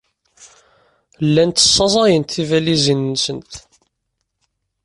Llant ssaẓayent tibalizin-nsent.